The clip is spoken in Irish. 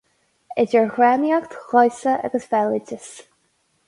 Idir dhrámaíocht, dhamhsa agus bhéaloideas.